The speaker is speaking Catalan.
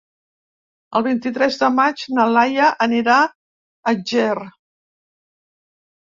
El vint-i-tres de maig na Laia anirà a Ger.